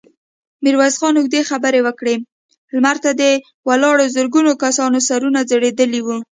ميرويس خان اوږدې خبرې وکړې، لمر ته د ولاړو زرګونو کسانو سرونه ځړېدلي وو.